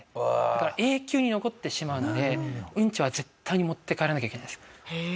だから永久に残ってしまうのでウンチは絶対に持って帰らなきゃいけないんですね。